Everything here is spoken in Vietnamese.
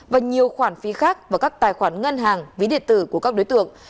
và nhiều khoản phi khác vào các tài khoản ngân hàng ví địa tử của các đối tượng